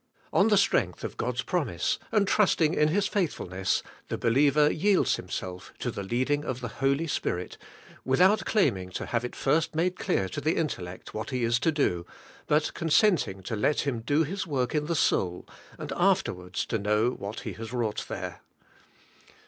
On the strength of God's promise, and trusting in His faithfulness, the believer yields himself to the leading of the Holy Spirit, without claiming to have it first made clear to the intellect what He is to do, but consenting to let Him^o His work in the soul, and afterwards to know what He has wrought there.